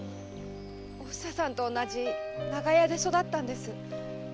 おふささんと同じ長屋で育ったんです。